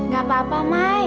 gak apa apa mai